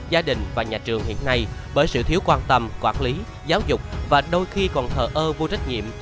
gia đình và nhà trường hiện nay bởi sự thiếu quan tâm quản lý giáo dục và đôi khi còn thờ ơ vô trách nhiệm